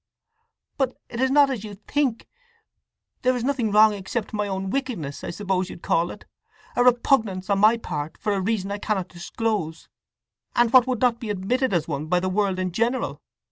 "But it is not as you think!—there is nothing wrong except my own wickedness, I suppose you'd call it—a repugnance on my part, for a reason I cannot disclose, and what would not be admitted as one by the world in general!